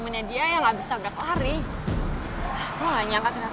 beraninya cuma keroyokan